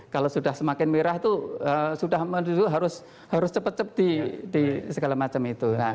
kalau sudah semakin merah itu sudah harus cepat cepat di segala macam itu